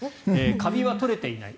カビは取れていない。